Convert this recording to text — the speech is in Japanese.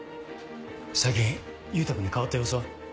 最近優太君に変わった様子は？